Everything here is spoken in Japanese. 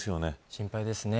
心配ですね。